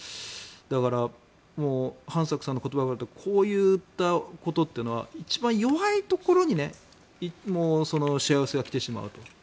だから、もう飯作さんの言葉を借りるとこういったことというのは一番弱いところにしわ寄せが来てしまうと。